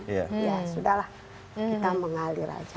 ya sudah lah kita mengalir aja